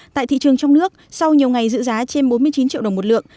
tại thị trường trong nước sau nhiều ngày giữ giá trên bốn mươi chín triệu đồng một lượng